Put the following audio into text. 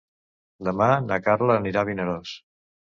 Demà na Carla anirà a Vinaròs.